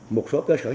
một số cơ sở hiệu bình